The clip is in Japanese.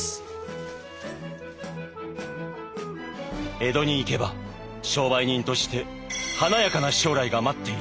「江戸に行けば商売人として華やかな将来が待っている」。